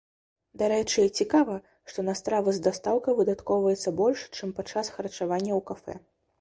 Дарэчы, цікава, што на стравы з дастаўкай выдаткоўваецца больш, чым падчас харчавання ў кафэ.